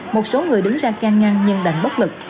một số người đứng ra can ngăn nhưng đành bất lực